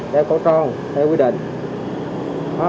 đeo cổ tròn theo quy định